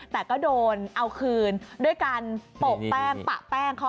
แต่ก็โดนเอาคืนด้วยการปะแป้งเขาให้แบบนี้ค่ะ